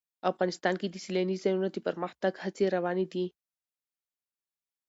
افغانستان کې د سیلانی ځایونه د پرمختګ هڅې روانې دي.